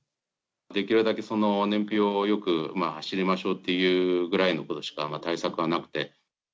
できるだけ燃費をよく走りましょうっていうぐらいのことしか対策